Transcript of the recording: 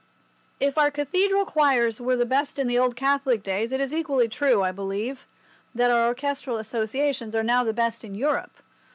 If our cathedral choirs were the best in the old Catholic days, it is equally true, I believe, that our orchestral associations are now the best in Europe.